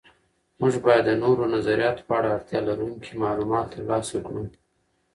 موږ باید د نورو نظریاتو په اړه اړتیا لرونکي معلومات تر لاسه کړو.